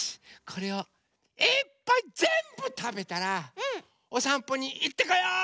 これをいっぱいぜんぶたべたらおさんぽにいってこよう！